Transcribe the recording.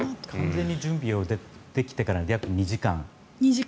完全に準備できてから約２時間。